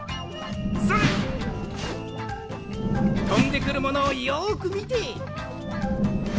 とんでくるものをよくみて。